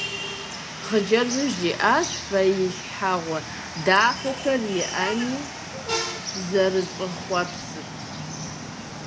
Хъыджэбзым жиӀащ фэилъхьэгъуэ дахэхэр иӀэну зэрыщӀэхъуэпсыр.